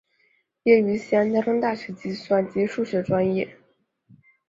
毕业于西安交通大学计算数学专业。